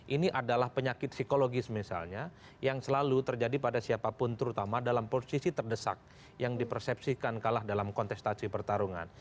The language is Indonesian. ini adalah penyakit psikologis misalnya yang selalu terjadi pada siapapun terutama dalam posisi terdesak yang dipersepsikan kalah dalam kontestasi pertarungan